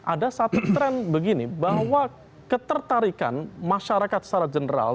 ada satu tren begini bahwa ketertarikan masyarakat secara general